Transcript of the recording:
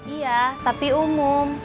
iya tapi umum